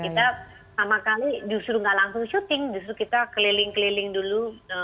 kita sama sekali justru nggak langsung syuting justru kita keliling keliling dulu